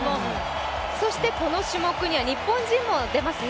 この種目には日本人も出ますね。